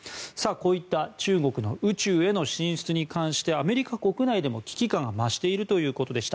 こういった中国の宇宙への進出に関してアメリカ国内でも危機感が増しているということです。